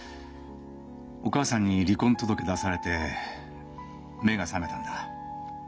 お母さんに離婚届出されて目が覚めたんだ。